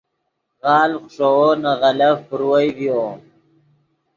غالڤ خشوؤ نے غلف پروئے ڤیو